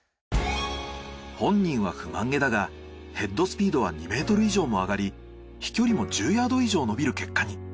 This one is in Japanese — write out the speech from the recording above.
本人は不満げだがヘッドスピードは２ｍ以上も上がり飛距離も１０ヤード以上のびる結果に。